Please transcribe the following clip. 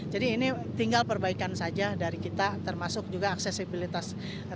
jadi ini tinggal perbaikan saja dari kita termasuk juga aksesibilitas